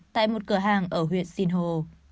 tại một cửa hàng ở huyện sinh hồ